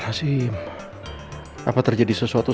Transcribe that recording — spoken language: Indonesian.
pa saya pamit ke jakarta dulu